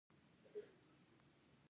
سیلابونه ولې په پسرلي کې ډیر وي؟